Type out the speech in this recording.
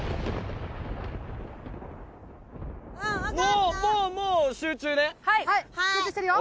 もうもうもう集中ね集中するよ